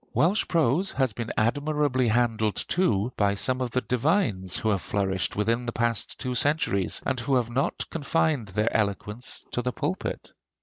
Welsh prose has been admirably handled too by some of the divines who have flourished within the past two centuries, and who have not confined their eloquence to the pulpit.